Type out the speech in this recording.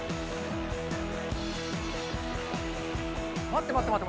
待って、まじ？